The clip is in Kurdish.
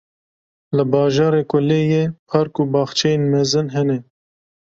Li bajarê ku lê ye, park û baxçeyên mezin hene.